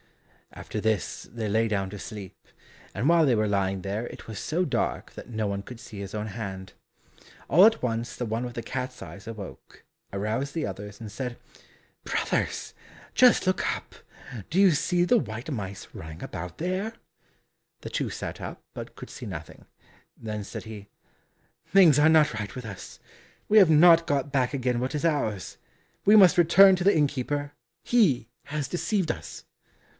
After this, they lay down to sleep, and while they were lying there it was so dark that no one could see his own hand. All at once the one with the cat's eyes awoke, aroused the others, and said. "Brothers, just look up, do you see the white mice running about there?" The two sat up, but could see nothing. Then said he, "Things are not right with us, we have not got back again what is ours. We must return to the innkeeper, he has deceived us."